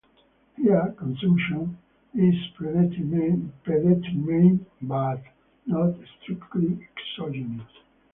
Here, consumption is predetermined but not strictly exogenous.